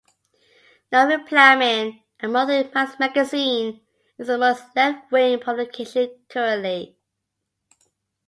"Novi Plamen", a monthly magazine, is the most left-wing publication currently.